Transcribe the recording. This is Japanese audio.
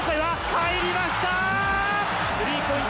入りました！